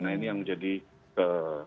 nah ini yang menjadi ke